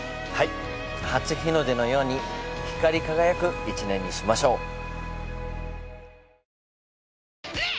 はい初日の出のように光り輝く１年にしましょう。